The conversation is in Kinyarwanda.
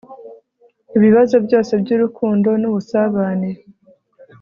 ibibazo byose byurukundo nubusabane